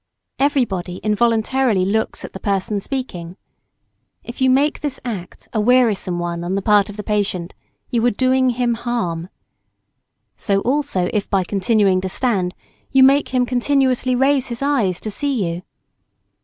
Everybody involuntarily looks at the person speaking. If you make this act a wearisome one on the part of the patient you are doing him harm. So also if by continuing to stand you make him continuously raise his eyes to see you.